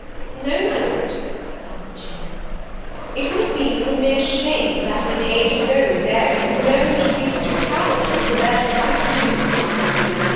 "No, my Lord," answered she, "it would have been from mere shame, that, in an age so daring, you alone should be such a coward as to forbear to frighten women."